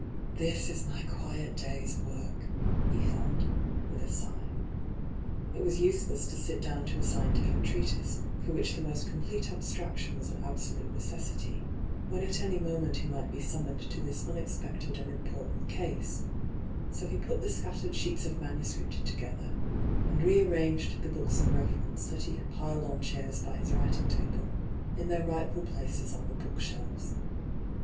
" This is my quiet day's work," he thought, with a sigh. It was useless to sit down to a scientific treatise, for which the most complete abstraction was an absolute necessity, when at any moment he might be summoned to this unexpected and important case ; so he put the scattered sheets of manuscript together, and re arranged the books of reference that he had piled on chairs by his writing table in their rightful places on the book shelves.